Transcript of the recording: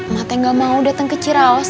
ma teh gak mau dateng ke ciraos